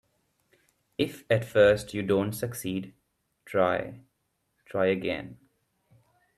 If at first you don't succeed, try, try again.